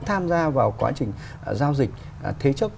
tham gia vào quá trình giao dịch thế chấp